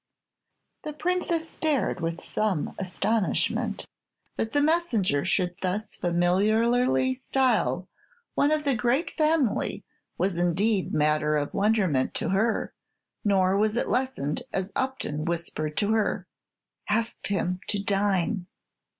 The Princess stared with some astonishment. That the messenger should thus familiarly style one of that great family was indeed matter of wonderment to her; nor was it lessened as Upton whispered her, "Ask him to dine."